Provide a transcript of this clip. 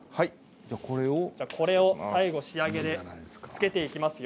これを最後、仕上げでつけていきますよ。